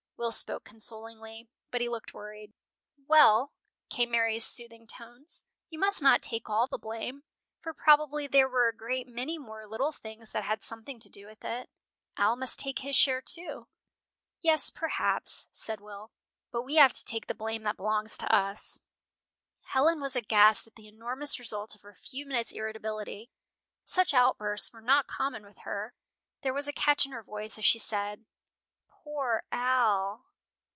Will spoke consolingly, but he looked worried. "Well," came Mary's soothing tones, "you must not take all the blame, for probably there were a great many more 'little nothings' that had something to do with it. Al must take his share, too." "Yes, perhaps," said Will; "but we have to take the blame that belongs to us." Helen was aghast at the enormous result of her few minutes' irritability. Such outbursts were not common with her. There was a catch in her voice as she said, "Poor Al!"